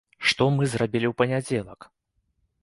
Што мы зрабілі ў панядзелак?